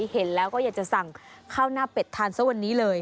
เห็นแล้วก็อยากจะสั่งข้าวหน้าเป็ดทานซะวันนี้เลย